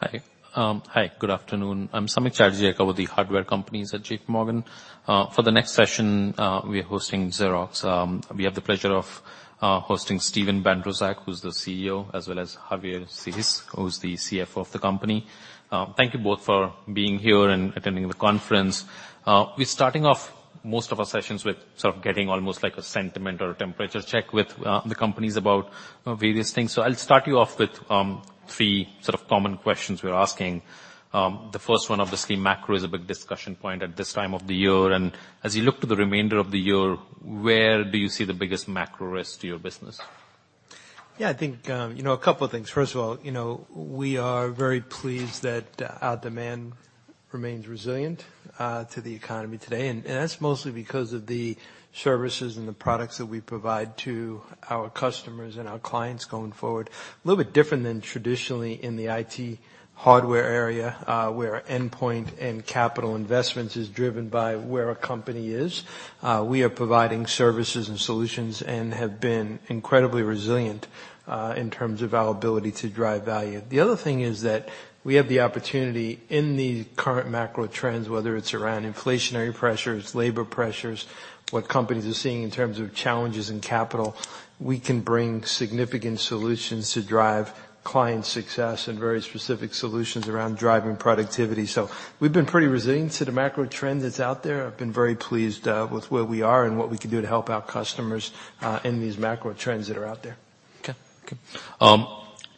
Hi. Hi, good afternoon. I'm Samik Chatterjee with the hardware companies at J.P. Morgan. For the next session, we're hosting Xerox. We have the pleasure of hosting Steve Bandrowczak, who's the CEO, as well as Xavier Heiss, who's the CFO of the company. Thank you both for being here and attending the conference. We're starting off most of our sessions with sort of getting almost like a sentiment or a temperature check with the companies about, you know, various things. I'll start you off with three sort of common questions we're asking. The first one, obviously, macro is a big discussion point at this time of the year, and as you look to the remainder of the year, where do you see the biggest macro risk to your business? I think, you know, a couple of things. First of all, you know, we are very pleased that our demand remains resilient to the economy today. That's mostly because of the services and the products that we provide to our customers and our clients going forward. A little bit different than traditionally in the IT services hardware area, where endpoint and capital investments is driven by where a company is. We are providing services and solutions and have been incredibly resilient in terms of our ability to drive value. The other thing is that we have the opportunity in the current macro trends, whether it's around inflationary pressures, labor pressures, what companies are seeing in terms of challenges in capital, we can bring significant solutions to drive client success and very specific solutions around driving productivity. We've been pretty resilient to the macro trend that's out there. I've been very pleased with where we are and what we can do to help our customers in these macro trends that are out there. Okay. Okay.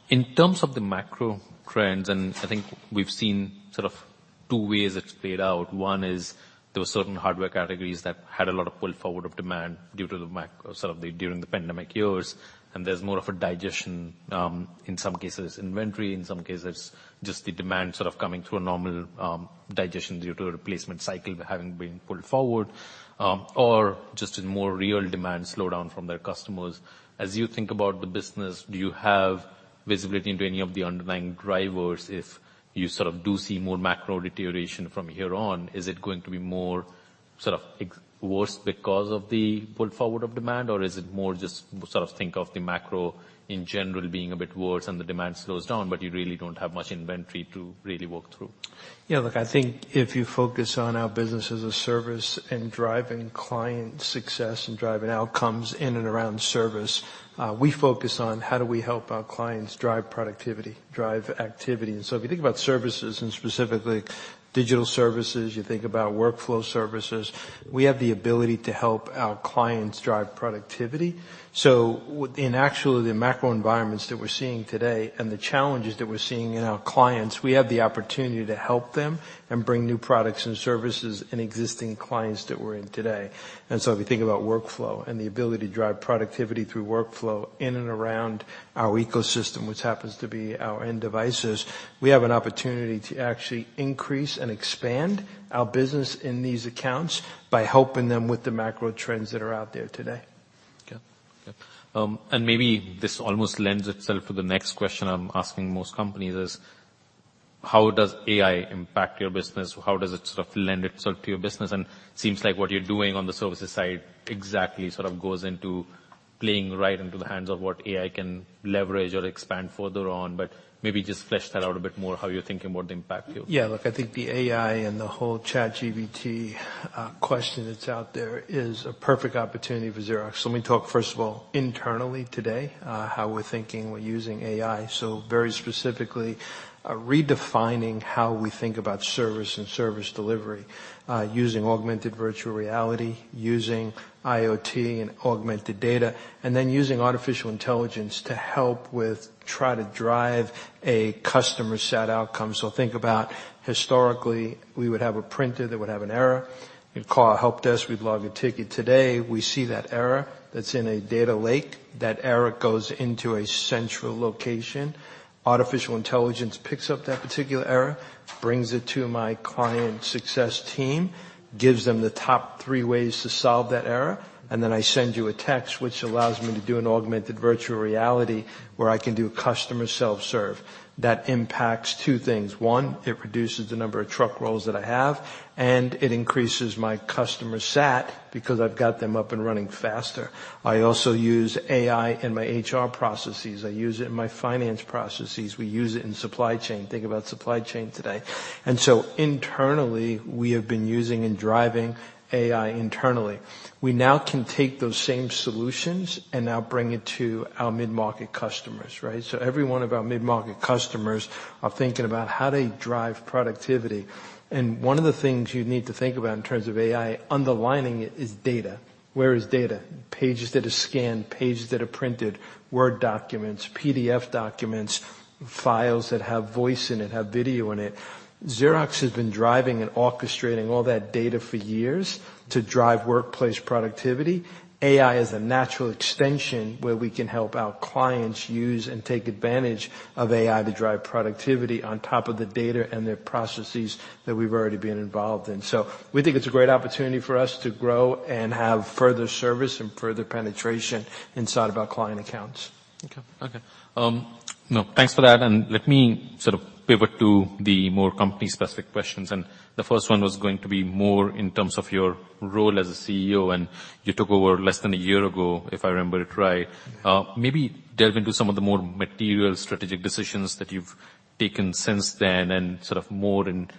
In terms of the macro trends, I think we've seen sort of two ways it's played out. One is there were certain hardware categories that had a lot of pull forward of demand due to sort of during the pandemic years, and there's more of a digestion, in some cases inventory, in some cases just the demand sort of coming to a normal, digestion due to a replacement cycle having been pulled forward, or just a more real demand slowdown from their customers. As you think about the business, do you have visibility into any of the underlying drivers if you sort of do see more macro deterioration from here on, is it going to be more sort of worse because of the pull forward of demand, or is it more just sort of think of the macro in general being a bit worse and the demand slows down, but you really don't have much inventory to really work through? Yeah, look, I think if you focus on our business as a service and driving client success and driving outcomes in and around service, we focus on how do we help our clients drive productivity, drive activity. If you think about services and specifically digital services, you think about workflow services, we have the ability to help our clients drive productivity. So in actually the macro environments that we're seeing today and the challenges that we're seeing in our clients, we have the opportunity to help them and bring new products and services and existing clients that we're in today. If you think about workflow and the ability to drive productivity through workflow in and around our ecosystem, which happens to be our end devices, we have an opportunity to actually increase and expand our business in these accounts by helping them with the macro trends that are out there today. Okay. Yep. Maybe this almost lends itself to the next question I'm asking most companies is, how does AI impact your business? How does it sort of lend itself to your business? Seems like what you're doing on the services side exactly sort of goes into playing right into the hands of what AI can leverage or expand further on, but maybe just flesh that out a bit more how you're thinking about the impact here. Look, I think the AI and the whole ChatGPT question that's out there is a perfect opportunity for Xerox. Let me talk first of all internally today, how we're thinking, we're using AI, so very specifically, redefining how we think about service and service delivery, using augmented virtual reality, using IoT and augmented data, and then using artificial intelligence to help with try to drive a customer sat outcome. Think about historically, we would have a printer that would have an error. You'd call our help desk. We'd log a ticket. Today, we see that error that's in a data lake. That error goes into a central location. Artificial intelligence picks up that particular error, brings it to my client success team, gives them the top three ways to solve that error. I send you a text which allows me to do an augmented virtual reality where I can do customer self-serve. That impacts two things. One, it reduces the number of truck rolls that I have. It increases my customer sat because I've got them up and running faster. I also use AI in my HR processes. I use it in my finance processes. We use it in supply chain. Think about supply chain today. Internally, we have been using and driving AI internally. We now can take those same solutions and now bring it to our mid-market customers, right? Every one of our mid-market customers are thinking about how they drive productivity, and one of the things you need to think about in terms of AI underlining it is data. Where is data? Pages that are scanned, pages that are printed, Word documents, PDF documents, files that have voice in it, have video in it. Xerox has been driving and orchestrating all that data for years to drive workplace productivity. AI is a natural extension where we can help our clients use and take advantage of AI to drive productivity on top of the data and the processes that we've already been involved in. We think it's a great opportunity for us to grow and have further service and further penetration inside of our client accounts. Okay. Okay. no, thanks for that. Let me sort of pivot to the more company-specific questions. The first one was going to be more in terms of your role as a CEO. You took over less than a year ago, if I remember it right. Yeah. Maybe delve into some of the more material strategic decisions that you've taken since then and sort of more in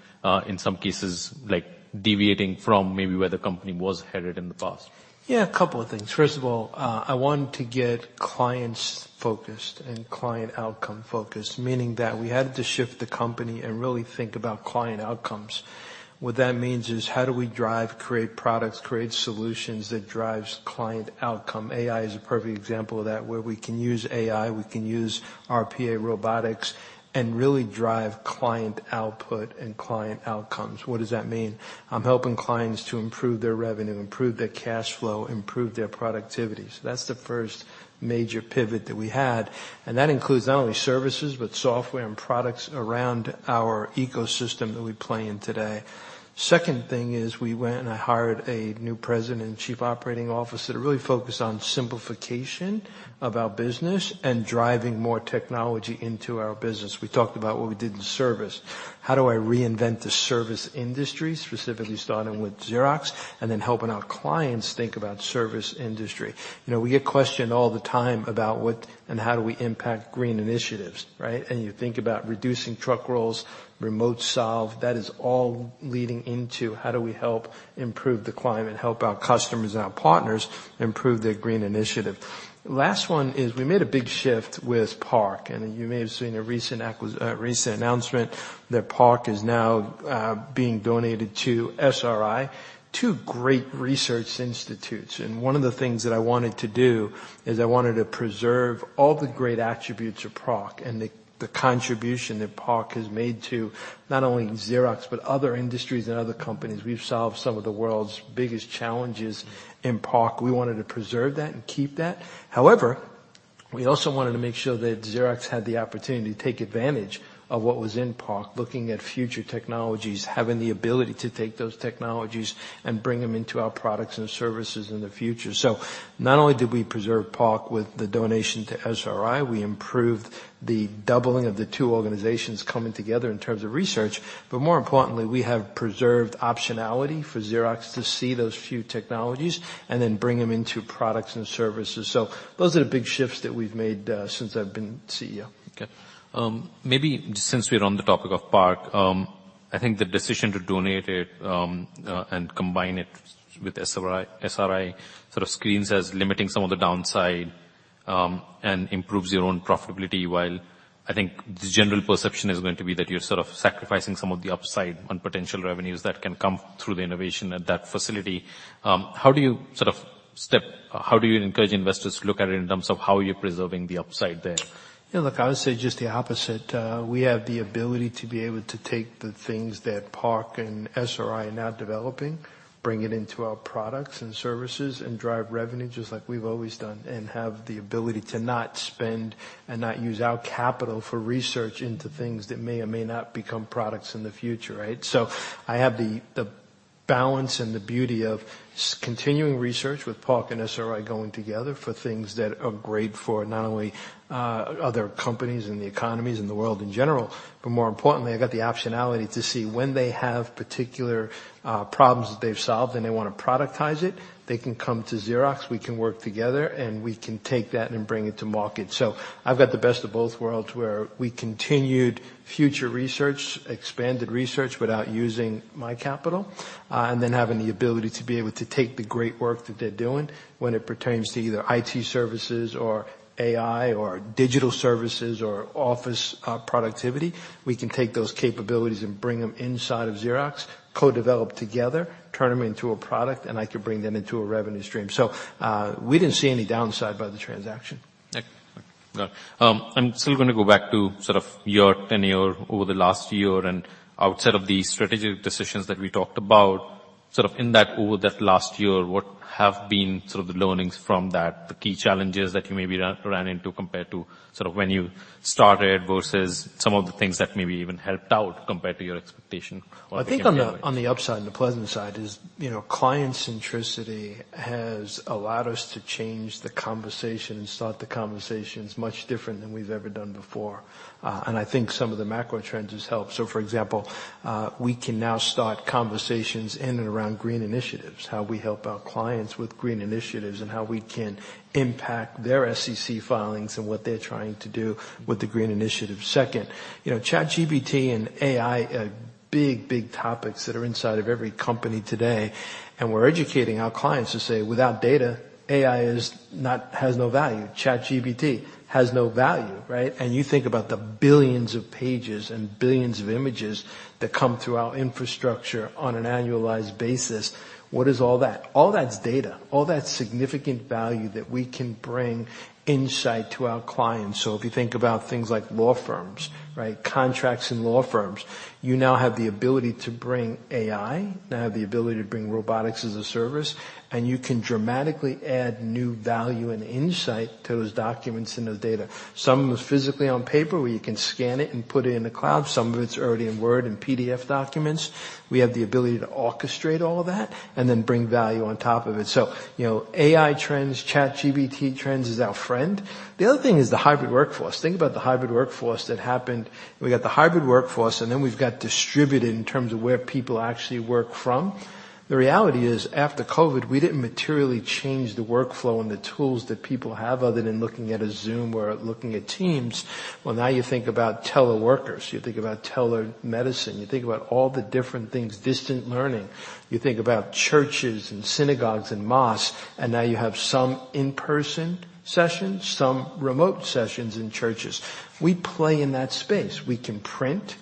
some cases, like deviating from maybe where the company was headed in the past. A couple of things. First of all, I wanted to get clients-focused and client outcome-focused, meaning that we had to shift the company and really think about client outcomes. What that means is how do we drive, create products, create solutions that drives client outcome? AI is a perfect example of that, where we can use AI, we can use RPA robotics and really drive client output and client outcomes. What does that mean? I'm helping clients to improve their revenue, improve their cash flow, improve their productivity. That's the first major pivot that we had. That includes not only services, but software and products around our ecosystem that we play in today. Second thing is we went and hired a new president and chief operating officer to really focus on simplification of our business and driving more technology into our business. We talked about what we did in service. How do I reinvent the service industry, specifically starting with Xerox, and then helping our clients think about service industry? You know, we get questioned all the time about what and how do we impact green initiatives, right? You think about reducing truck rolls, remote solve. That is all leading into how do we help improve the climate, help our customers and our partners improve their green initiative. Last one is we made a big shift with PARC, and you may have seen a recent announcement that PARC is now being donated to SRI, two great research institutes. One of the things that I wanted to do is I wanted to preserve all the great attributes of PARC and the contribution that PARC has made to not only Xerox, but other industries and other companies. We've solved some of the world's biggest challenges in PARC. We wanted to preserve that and keep that. We also wanted to make sure that Xerox had the opportunity to take advantage of what was in PARC, looking at future technologies, having the ability to take those technologies and bring them into our products and services in the future. Not only did we preserve PARC with the donation to SRI, we improved the doubling of the two organizations coming together in terms of research, but more importantly, we have preserved optionality for Xerox to see those few technologies and then bring them into products and services. Those are the big shifts that we've made since I've been CEO. Okay. Maybe since we're on the topic of PARC, I think the decision to donate it, and combine it with SRI sort of screens as limiting some of the downside, and improves your own profitability, while I think the general perception is going to be that you're sort of sacrificing some of the upside on potential revenues that can come through the innovation at that facility. How do you encourage investors to look at it in terms of how you're preserving the upside there? I would say just the opposite. We have the ability to be able to take the things that PARC and SRI are now developing, bring it into our products and services and drive revenue just like we've always done, and have the ability to not spend and not use our capital for research into things that may or may not become products in the future, right? I have the balance and the beauty of continuing research with PARC and SRI going together for things that are great for not only other companies and the economies and the world in general, but more importantly, I got the optionality to see when they have particular problems that they've solved and they wanna productize it, they can come to Xerox, we can work together, and we can take that and bring it to market. I've got the best of both worlds where we continued future research, expanded research without using my capital, and then having the ability to be able to take the great work that they're doing when it pertains to either IT services or AI or digital services or office productivity. We can take those capabilities and bring them inside of Xerox, co-develop together, turn them into a product, and I can bring them into a revenue stream. We didn't see any downside by the transaction. Okay. I'm still gonna go back to sort of your tenure over the last year and outside of the strategic decisions that we talked about over that last year, what have been sort of the learnings from that? The key challenges that you maybe ran into compared to sort of when you started versus some of the things that maybe even helped out compared to your expectation? I think on the upside and the pleasant side is, you know, client centricity has allowed us to change the conversation and start the conversations much different than we've ever done before. I think some of the macro trends has helped. For example, we can now start conversations in and around green initiatives, how we help our clients with green initiatives and how we can impact their SEC filings and what they're trying to do with the green initiative. Second, you know, ChatGPT and AI are big topics that are inside of every company today, we're educating our clients to say, without data, AI has no value. ChatGPT has no value, right? You think about the billions of pages and billions of images that come through our infrastructure on an annualized basis. What is all that? All that's data. All that's significant value that we can bring insight to our clients. If you think about things like law firms, right? Contracts and law firms, you now have the ability to bring AI, now have the ability to bring Robotics as a Service, and you can dramatically add new value and insight to those documents and those data. Some of it's physically on paper, where you can scan it and put it in the cloud. Some of it's already in Word and PDF documents. We have the ability to orchestrate all of that and then bring value on top of it. You know, AI trends, ChatGPT trends is our friend. The other thing is the hybrid workforce. Think about the hybrid workforce that happened. We got the hybrid workforce, and then we've got distributed in terms of where people actually work from. The reality is, after COVID, we didn't materially change the workflow and the tools that people have other than looking at a Zoom or looking at Teams. Now you think about teleworkers, you think about telemedicine, you think about all the different things, distant learning. You think about churches and synagogues and mosques, and now you have some in-person sessions, some remote sessions in churches. We play in that space. We can print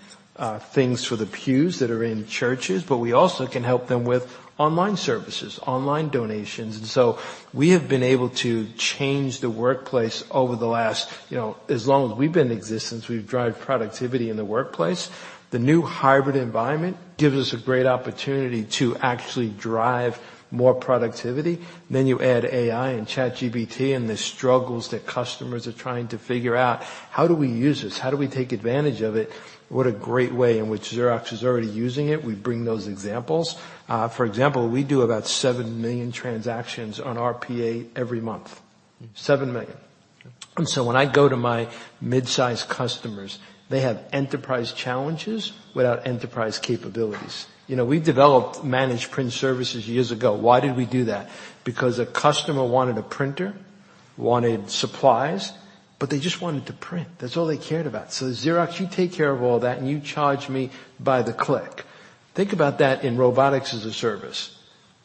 things for the pews that are in churches, but we also can help them with online services, online donations. We have been able to change the workplace over the last, you know, as long as we've been in existence, we've drived productivity in the workplace. The new hybrid environment gives us a great opportunity to actually drive more productivity. You add AI and ChatGPT and the struggles that customers are trying to figure out. How do we use this? How do we take advantage of it? What a great way in which Xerox is already using it. We bring those examples. For example, we do about 7 million transactions on RPA every month. 7 million. When I go to my mid-size customers, they have enterprise challenges without enterprise capabilities. You know, we developed managed print services years ago. Why did we do that? Because a customer wanted a printer, wanted supplies, but they just wanted to print. That's all they cared about. Xerox, you take care of all that, and you charge me by the click. Think about that in Robotics as a Service.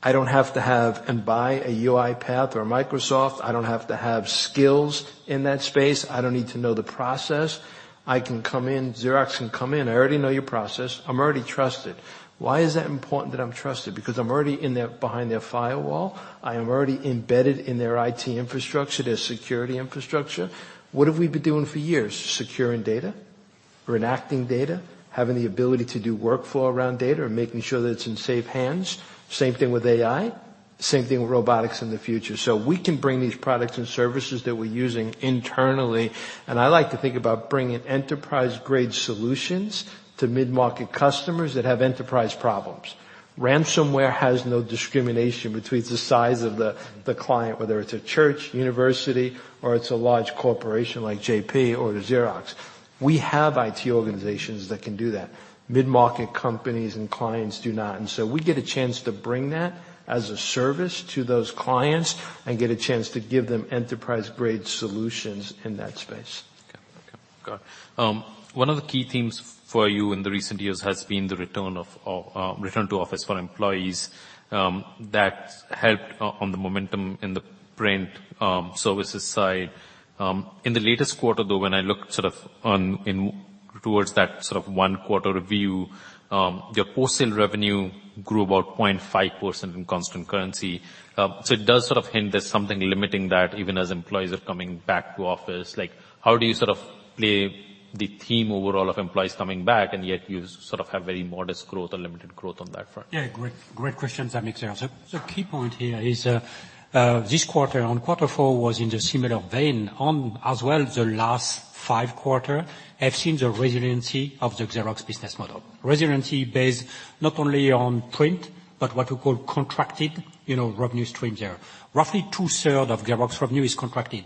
I don't have to have and buy a UiPath or a Microsoft. I don't have to have skills in that space. I don't need to know the process. Xerox can come in. I already know your process. I'm already trusted. Why is that important that I'm trusted? Because I'm already behind their firewall. I am already embedded in their IT infrastructure, their security infrastructure. What have we been doing for years? Securing data or enacting data, having the ability to do workflow around data or making sure that it's in safe hands. Same thing with AI. Same thing with robotics in the future. We can bring these products and services that we're using internally, and I like to think about bringing enterprise-grade solutions to mid-market customers that have enterprise problems. Ransomware has no discrimination between the size of the client, whether it's a church, university, or it's a large corporation like J.P. or Xerox. We have IT organizations that can do that. Mid-market companies and clients do not. We get a chance to bring that as a service to those clients and get a chance to give them enterprise-grade solutions in that space. Okay. Okay. Got it. One of the key themes for you in the recent years has been the return of return to office for employees, that helped on the momentum in the print services side. In the latest quarter, though, when I look sort of on in towards that sort of one quarter view, your post-sale revenue grew about 0.5% in constant currency. It does sort of hint there's something limiting that even as employees are coming back to office. Like, how do you sort of play the theme overall of employees coming back, and yet you sort of have very modest growth or limited growth on that front? Yeah, great question, Samik. Key point here is this quarter four was in the similar vein as well as the last five quarter, have seen the resiliency of the Xerox business model. Resiliency based not only on print, but what we call contracted, you know, revenue streams there. Roughly 2/3 of Xerox revenue is contracted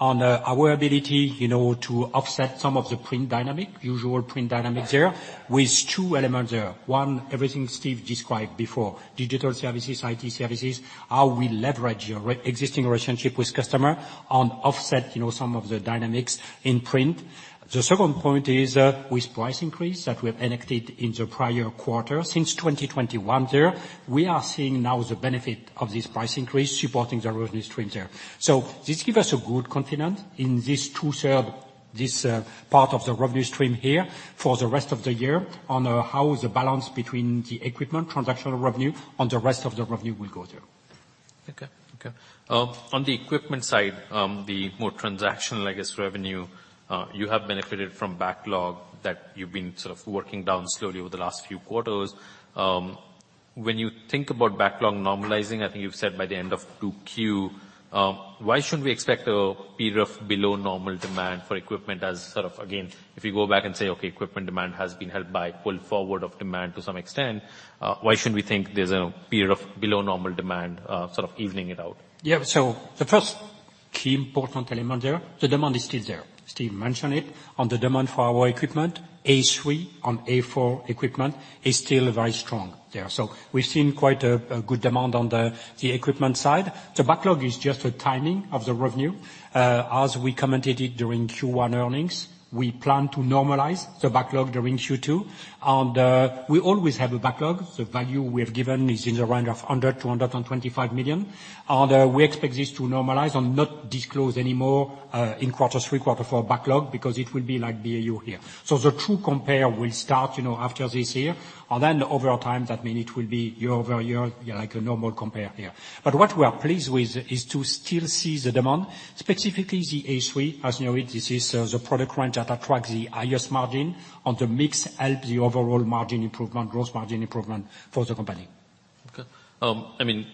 upfront. Our ability, you know, to offset some of the print dynamic, usual print dynamic there with two elements there. One, everything Steve described before, digital services, IT services, how we leverage your re-existing relationship with customer on offset, you know, some of the dynamics in print. The second point is that with price increase that we have enacted in the prior quarter since 2021 there, we are seeing now the benefit of this price increase supporting the revenue streams there. This give us a good confidence in this 2/3, this, part of the revenue stream here for the rest of the year on, how the balance between the equipment transactional revenue and the rest of the revenue will go there. Okay. Okay. On the equipment side, the more transactional, I guess, revenue, you have benefited from backlog that you've been working down slowly over the last few quarters. When you think about backlog normalizing, I think you've said by the end of 2Q, why shouldn't we expect a period of below normal demand for equipment as if you go back and say, equipment demand has been helped by pull forward of demand, why shouldn't we think there's a period of below normal demand, evening it out? Yeah. The first key important element there, the demand is still there. Steve mentioned it. On the demand for our equipment, A3 and A4 equipment is still very strong there. We've seen quite a good demand on the equipment side. The backlog is just a timing of the revenue. As we commented during Q1 earnings, we plan to normalize the backlog during Q2, and we always have a backlog. The value we have given is in the range of $100 million-$125 million. We expect this to normalize and not disclose any more in quarter three, quarter four backlog because it will be like BAU here. The true compare will start, you know, after this year. Over time, that mean it will be year-over-year, like a normal compare here. What we are pleased with is to still see the demand, specifically the A3. As you know it, this is the product range that attracts the highest margin and the mix help the overall margin improvement, growth margin improvement for the company. Okay. I mean,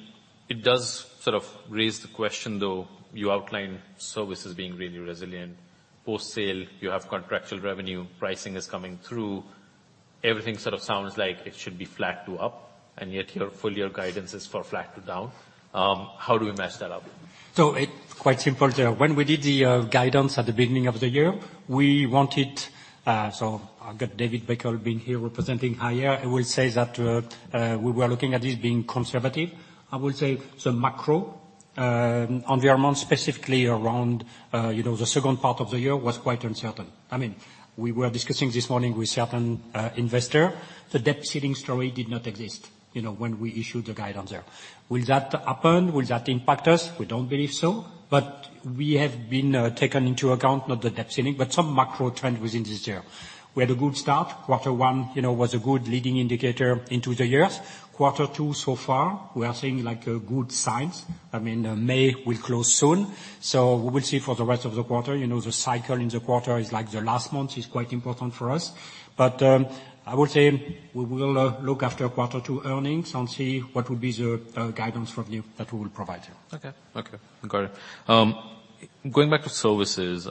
it does sort of raise the question, though. You outlined services being really resilient. Post-sale, you have contractual revenue. Pricing is coming through. Everything sort of sounds like it should be flat to up, and yet your full year guidance is for flat to down. How do we match that up? It quite simple there. When we did the guidance at the beginning of the year, we wanted, so I've got David Beckel being here representing higher. I will say that we were looking at this being conservative. I will say the macro environment specifically around, you know, the second part of the year was quite uncertain. I mean, we were discussing this morning with certain investor, the debt ceiling story did not exist, you know, when we issued the guidance there. Will that happen? Will that impact us? We don't believe so. We have been taken into account not the debt ceiling, but some macro trends within this year. We had a good start. Quarter one, you know, was a good leading indicator into the years. Quarter two so far, we are seeing like a good signs. May will close soon, so we will see for the rest of the quarter. You know, the cycle in the quarter is like the last month is quite important for us. I would say we will look after quarter two earnings and see what would be the guidance from you that we will provide you. Okay. Okay. Got it. Going back to services,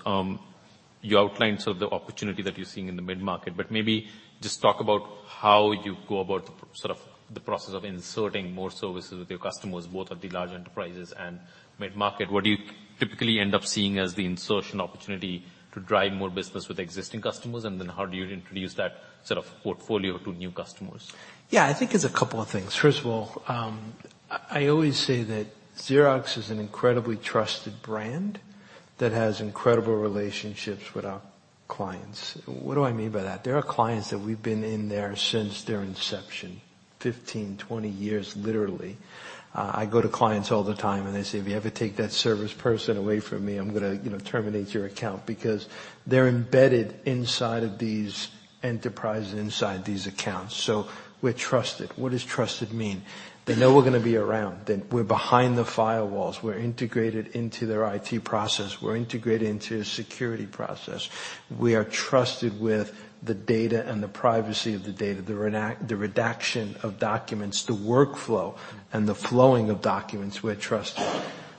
You outlined sort of the opportunity that you're seeing in the mid-market, maybe just talk about how you go about the sort of the process of inserting more services with your customers, both at the large enterprises and mid-market. What do you typically end up seeing as the insertion opportunity to drive more business with existing customers? How do you introduce that sort of portfolio to new customers? Yeah. I think it's a couple of things. First of all, I always say that Xerox is an incredibly trusted brand that has incredible relationships with our clients. What do I mean by that? There are clients that we've been in there since their inception, 15, 20 years, literally. I go to clients all the time, and they say, "If you ever take that service person away from me, I'm gonna, you know, terminate your account," because they're embedded inside of these enterprises, inside these accounts, so we're trusted. What does trusted mean? They know we're gonna be around. That we're behind the firewalls. We're integrated into their IT process. We're integrated into security process. We are trusted with the data and the privacy of the data, the redaction of documents, the workflow, and the flowing of documents, we're trusted.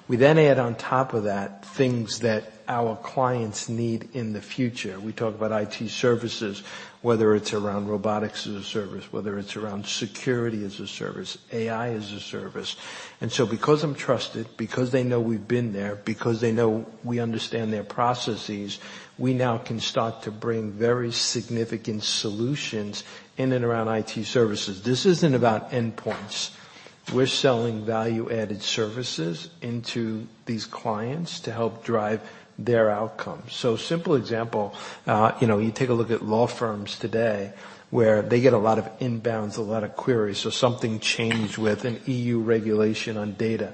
We add on top of that things that our clients need in the future. We talk about IT services, whether it's around Robotics as a Service, whether it's around Security as a Service, AI as a Service. Because I'm trusted, because they know we've been there, because they know we understand their processes, we now can start to bring very significant solutions in and around IT services. This isn't about endpoints. We're selling value-added services into these clients to help drive their outcomes. Simple example, you know, you take a look at law firms today, where they get a lot of inbounds, a lot of queries. Something changed with an EU regulation on data.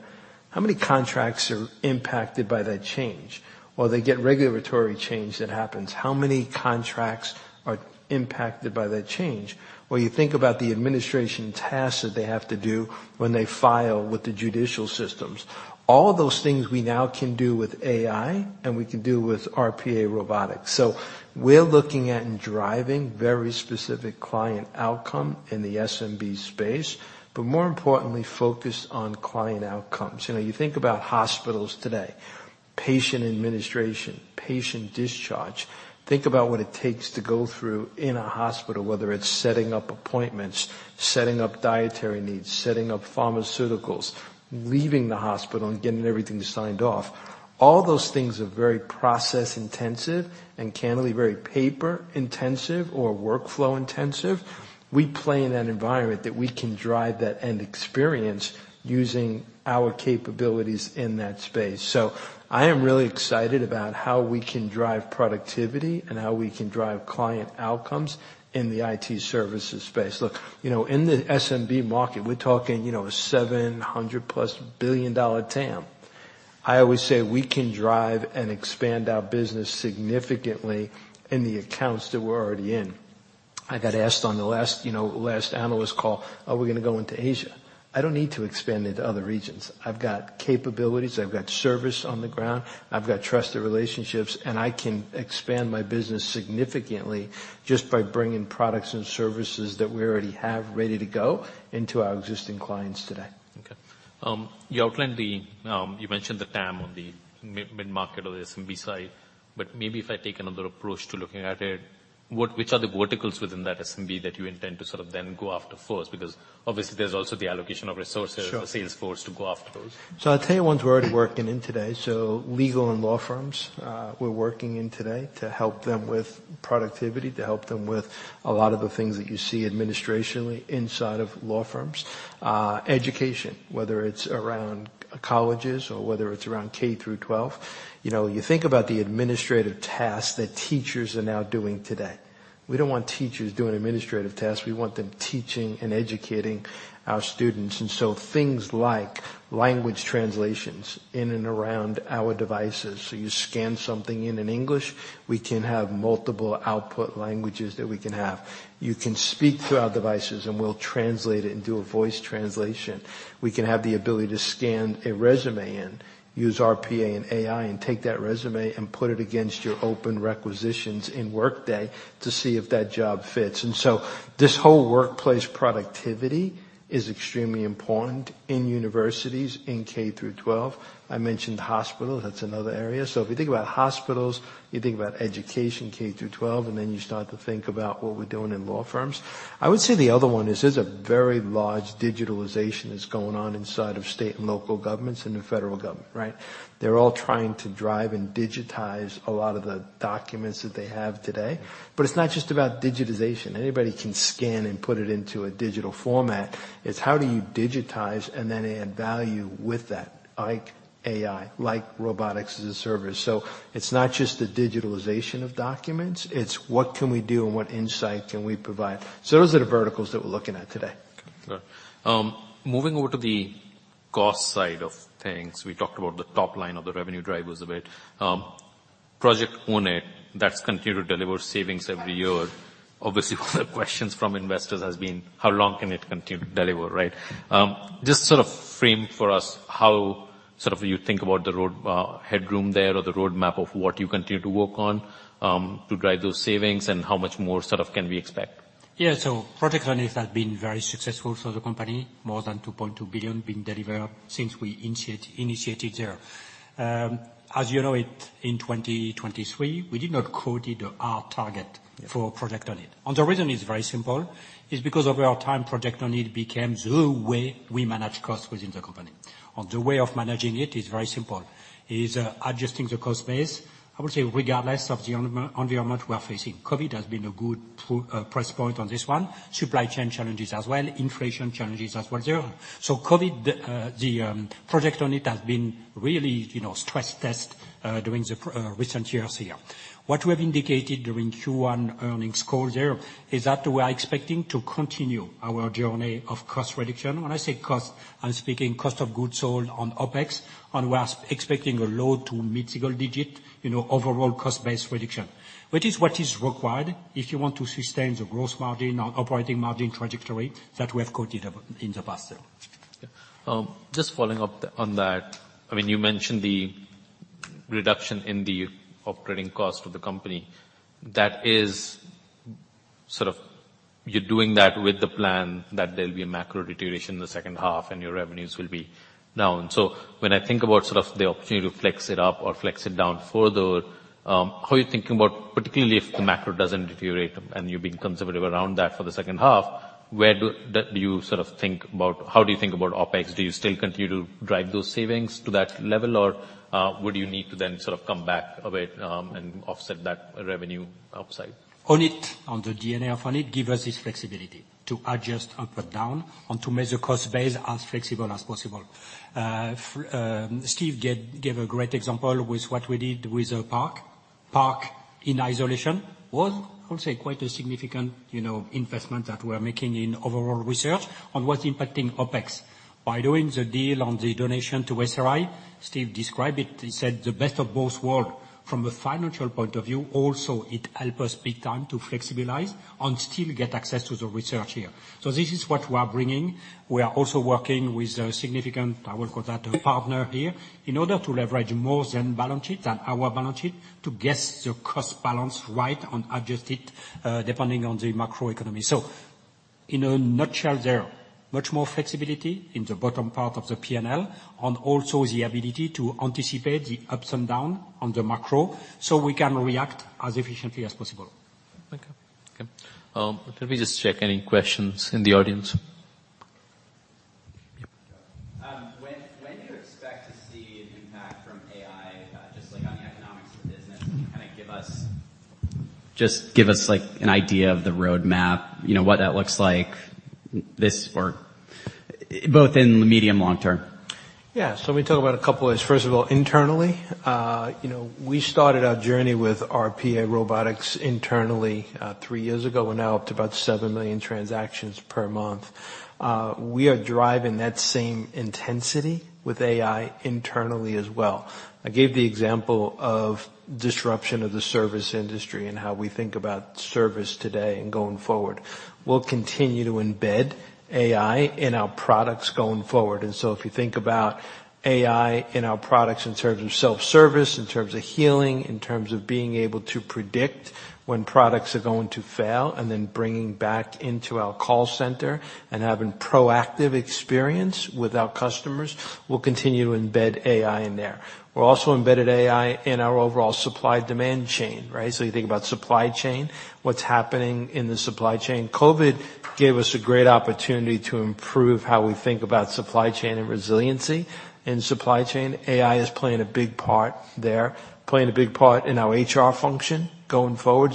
How many contracts are impacted by that change? They get regulatory change that happens, how many contracts are impacted by that change? You think about the administration tasks that they have to do when they file with the judicial systems. All those things we now can do with AI, and we can do with RPA robotics. We're looking at driving very specific client outcome in the SMB space, but more importantly, focused on client outcomes. You know, you think about hospitals today, patient administration, patient discharge. Think about what it takes to go through in a hospital, whether it's setting up appointments, setting up dietary needs, setting up pharmaceuticals, leaving the hospital and getting everything signed off. All those things are very process-intensive and candidly, very paper-intensive or workflow-intensive. We play in that environment that we can drive that end experience using our capabilities in that space. I am really excited about how we can drive productivity and how we can drive client outcomes in the IT services space. Look, you know, in the SMB market, we're talking, you know, $700 plus billion TAM. I always say we can drive and expand our business significantly in the accounts that we're already in. I got asked on the last, you know, last analyst call, "Are we gonna go into Asia?" I don't need to expand into other regions. I've got capabilities. I've got service on the ground. I've got trusted relationships, and I can expand my business significantly just by bringing products and services that we already have ready to go into our existing clients today. Okay. you outlined the, you mentioned the TAM on the mid-market or the SMB side, maybe if I take another approach to looking at it, Which are the verticals within that SMB that you intend to sort of then go after first? Obviously, there's also the allocation of resources. Sure. the sales force to go after those. I'll tell you ones we're already working in today. Legal and law firms, we're working in today to help them with productivity, to help them with a lot of the things that you see administrationally inside of law firms. Education, whether it's around colleges or whether it's around K-12. You know, you think about the administrative tasks that teachers are now doing today. We don't want teachers doing administrative tasks. We want them teaching and educating our students. Things like language translations in and around our devices. You scan something in in English, we can have multiple output languages that we can have. You can speak through our devices, and we'll translate it and do a voice translation. We can have the ability to scan a resume in, use RPA and AI and take that resume and put it against your open requisitions in Workday to see if that job fits. This whole workplace productivity is extremely important in universities, in K-12. I mentioned hospital, that's another area. If you think about hospitals, you think about education K-12, and then you start to think about what we're doing in law firms. I would say the other one is a very large digitalization that's going on inside of state and local governments and the federal government, right? They're all trying to drive and digitize a lot of the documents that they have today. It's not just about digitization. Anybody can scan and put it into a digital format. It's how do you digitize and then add value with that, like AI, like Robotics as a Service. It's not just the digitalization of documents, it's what can we do and what insight can we provide? Those are the verticals that we're looking at today. Okay. Moving over to the cost side of things. We talked about the top line of the revenue drivers a bit. Project Own It, that's continued to deliver savings every year. Obviously, one of the questions from investors has been how long can it continue to deliver, right? Just sort of frame for us how sort of you think about the headroom there or the roadmap of what you continue to work on to drive those savings and how much more sort of can we expect? Yeah. Project Own It has been very successful for the company, more than $2.2 billion been delivered since we initiated there. As you know it, in 2023, we did not quoted our. Yeah. for Project Own It. The reason is very simple. It's because over time, Project Own It became the way we manage costs within the company. On the way of managing it is very simple, is, adjusting the cost base, I would say, regardless of the environment we are facing. COVID has been a good price point on this one. Supply chain challenges as well, inflation challenges as well there. COVID, the Project Own It has been really, you know, stress test during the recent years here. What we have indicated during Q1 earnings call there is that we are expecting to continue our journey of cost reduction. When I say cost, I'm speaking cost of goods sold on OpEx, we are expecting a low to mid-single digit, you know, overall cost-based reduction. Which is what is required if you want to sustain the growth margin or operating margin trajectory that we have quoted up in the past year. Yeah. Just following up on that. I mean, you mentioned the reduction in the operating cost of the company. That is sort of you're doing that with the plan that there'll be a macro deterioration in the second half, and your revenues will be down. When I think about sort of the opportunity to flex it up or flex it down further, how are you thinking about, particularly if the macro doesn't deteriorate and you're being conservative around that for the second half, where do you sort of think about, how do you think about OpEx? Do you still continue to drive those savings to that level? Or would you need to then sort of come back a bit and offset that revenue upside? On it. On the DNA of Own It give us this flexibility to adjust up or down and to measure cost base as flexible as possible. Steve gave a great example with what we did with the PARC. PARC in isolation was, I would say, quite a significant, you know, investment that we're making in overall research and was impacting OpEx. By doing the deal on the donation to SRI, Steve described it, he said, "The best of both world." From a financial point of view, also it help us big time to flexibilize and still get access to the research here. This is what we are bringing. We are also working with a significant, I will call that a partner here, in order to leverage more than balance sheet than our balance sheet, to get the cost balance right and adjust it, depending on the macroeconomy. In a nutshell there, much more flexibility in the bottom part of the P&L and also the ability to anticipate the ups and down on the macro, so we can react as efficiently as possible. Okay. Okay. Let me just check any questions in the audience? Yeah. When do you expect to see an impact from AI, just like on the economics of the business? Just give us, like, an idea of the roadmap, you know, what that looks like this or both in the medium long term? Yeah. Let me talk about a couple of ways. First of all, internally, you know, we started our journey with RPA robotics internally, three years ago. We're now up to about 7 million transactions per month. We are driving that same intensity with AI internally as well. I gave the example of disruption of the service industry and how we think about service today and going forward. We'll continue to embed AI in our products going forward. If you think about AI in our products in terms of self-service, in terms of healing, in terms of being able to predict when products are going to fail, and then bringing back into our call center and having proactive experience with our customers, we'll continue to embed AI in there. We're also embedded AI in our overall supply demand chain, right? You think about supply chain, what's happening in the supply chain. COVID gave us a great opportunity to improve how we think about supply chain and resiliency in supply chain. AI is playing a big part there, playing a big part in our HR function going forward.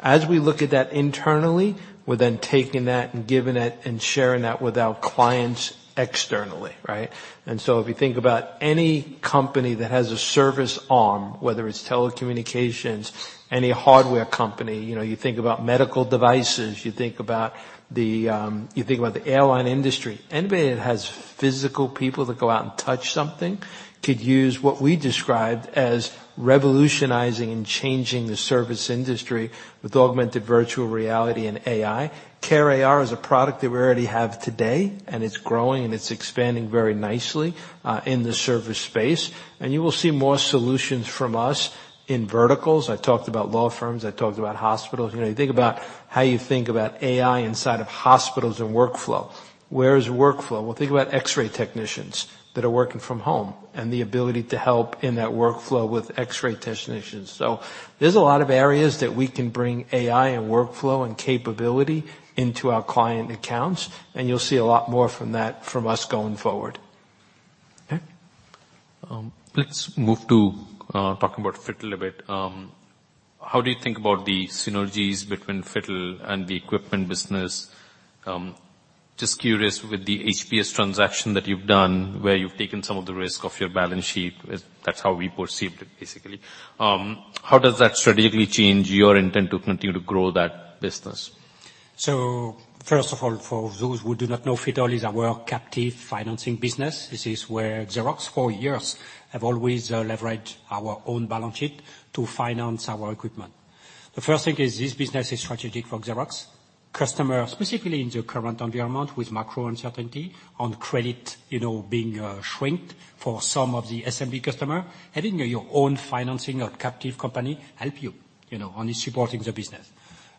As we look at that internally, we're then taking that and giving it and sharing that with our clients externally, right? If you think about any company that has a service arm, whether it's telecommunications, any hardware company. You know, you think about medical devices, you think about the, you think about the airline industry. Anybody that has physical people that go out and touch something could use what we described as revolutionizing and changing the service industry with augmented virtual reality and AI. CareAR is a product that we already have today, it's growing, and it's expanding very nicely in the service space. You will see more solutions from us in verticals. I talked about law firms. I talked about hospitals. You know, you think about how you think about AI inside of hospitals and workflow. Where is workflow? Well, think about X-ray technicians that are working from home and the ability to help in that workflow with X-ray technicians. There's a lot of areas that we can bring AI and workflow and capability into our client accounts, and you'll see a lot more from that from us going forward. Let's move to talking about FITTLE a bit. How do you think about the synergies between FITTLE and the equipment business? Just curious with the HPS transaction that you've done, where you've taken some of the risk off your balance sheet. That's how we perceived it, basically. How does that strategically change your intent to continue to grow that business? First of all, for those who do not know, FITTLE is our captive financing business. This is where Xerox for years have always leveraged our own balance sheet to finance our equipment. The first thing is this business is strategic for Xerox. Customers, specifically in the current environment with macro uncertainty on credit, you know, being shrinked for some of the SMB customer, having your own financing or captive company help you know, on supporting the business.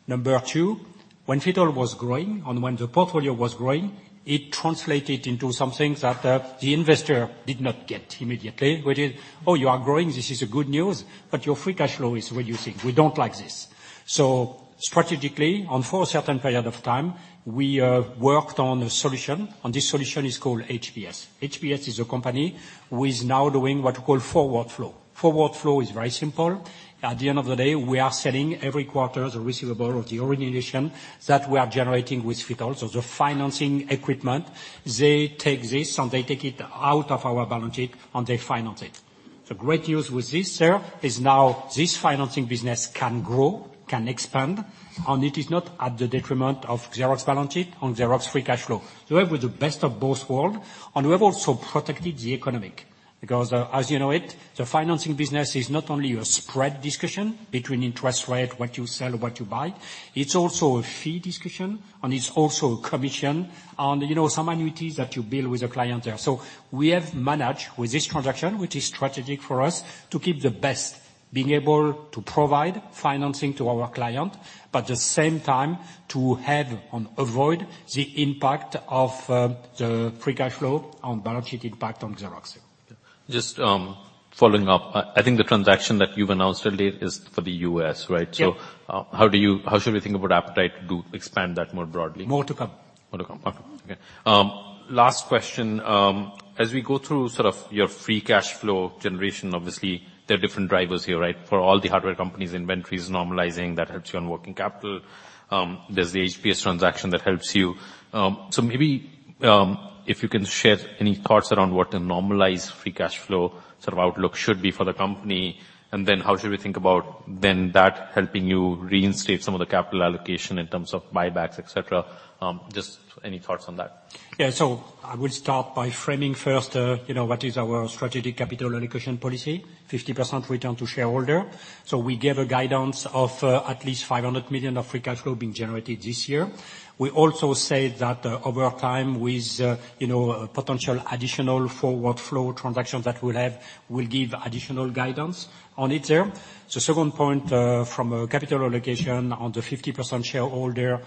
Number two, when FITTLE was growing and when the portfolio was growing, it translated into something that the investor did not get immediately. Which is, "Oh, you are growing, this is a good news, but your free cash flow is reducing. We don't like this." Strategically, and for a certain period of time, we have worked on a solution, and this solution is called HPS. HBS is a company who is now doing what you call forward flow. Forward flow is very simple. At the end of the day, we are selling every quarter the receivable of the origination that we are generating with FITTLE. The financing equipment, they take this and they take it out of our balance sheet and they finance it. The great news with this here, is now this financing business can grow, can expand, and it is not at the detriment of Xerox balance sheet and Xerox free cash flow. We have the best of both world, and we have also protected the economic, because as you know it, the financing business is not only a spread discussion between interest rate, what you sell and what you buy. It's also a fee discussion, and it's also a commission on, you know, some annuities that you build with the client there. We have managed with this transaction, which is strategic for us, to keep the best, being able to provide financing to our client, but at the same time to have and avoid the impact of the free cash flow on balance sheet impact on Xerox here. Just, following up. I think the transaction that you've announced earlier is for the U.S., right? Yeah. How should we think about appetite to expand that more broadly? More to come. More to come, okay. Last question. As we go through sort of your free cash flow generation, obviously there are different drivers here, right? For all the hardware companies, inventory is normalizing, that helps you on working capital. There's the HPS transaction that helps you. Maybe, if you can share any thoughts around what the normalized free cash flow sort of outlook should be for the company, and then how should we think about then that helping you reinstate some of the capital allocation in terms of buybacks, et cetera. Just any thoughts on that? I will start by framing first, you know, what is our strategic capital allocation policy, 50% return to shareholder. We gave a guidance of at least $500 million of free cash flow being generated this year. We also said that over time with, you know, potential additional forward flow transactions that we'll have, we'll give additional guidance on it there. The second point from a capital allocation on the 50% shareholder,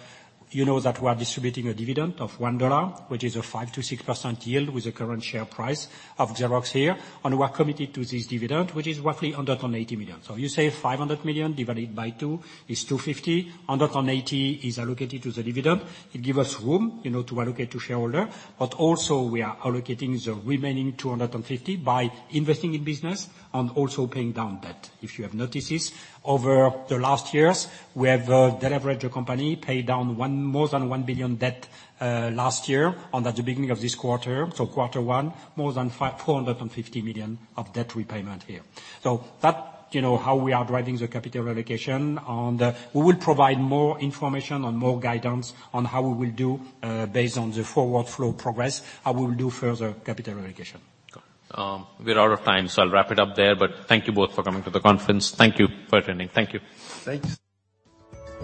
you know that we're distributing a dividend of $1, which is a 5%-6% yield with the current share price of Xerox here. We're committed to this dividend, which is roughly $180 million. You say $500 million divided by 2 is $250. $180 is allocated to the dividend. It give us room, you know, to allocate to shareholder. Also we are allocating the remaining 250 by investing in business and also paying down debt. If you have noticed this, over the last years we have deleveraged the company, paid down more than $1 billion debt last year and at the beginning of this quarter. quarter one, more than $450 million of debt repayment here. That, you know, how we are driving the capital allocation. We will provide more information and more guidance on how we will do based on the forward flow progress, how we will do further capital allocation. We're out of time. I'll wrap it up there. Thank you both for coming to the conference. Thank you for attending. Thank you. Thanks.